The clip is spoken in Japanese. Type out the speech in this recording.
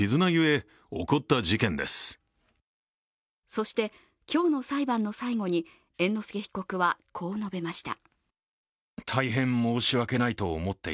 そして今日の裁判の最後に猿之助被告はこう述べました。